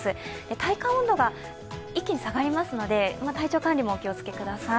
体感温度が一気に下がりますので、体調管理もお気をつけください。